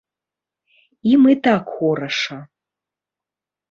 Ім і так хораша.